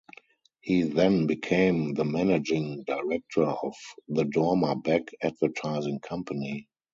He then became the managing director of the Dormer Beck advertising company.